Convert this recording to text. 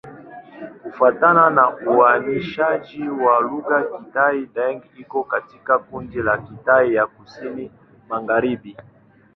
Kufuatana na uainishaji wa lugha, Kitai-Daeng iko katika kundi la Kitai ya Kusini-Magharibi.